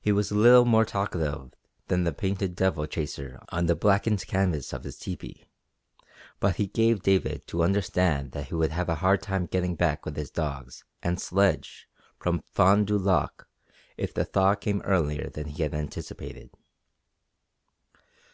He was little more talkative than the painted devil chaser on the blackened canvas of his tepee, but he gave David to understand that he would have a hard time getting back with his dogs and sledge from Fond du Lac if the thaw came earlier than he had anticipated.